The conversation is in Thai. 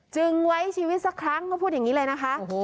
ไว้ชีวิตสักครั้งก็พูดอย่างนี้เลยนะคะ